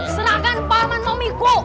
diserahkan paman momiko